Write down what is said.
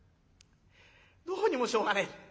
どうにもしょうがねえ。